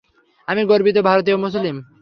আমি গর্বিত ভারতীয় মুসলিম।